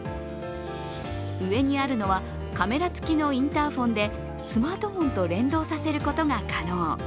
上にあるのはカメラつきのインターフォンでスマートフォンと連動させることが可能。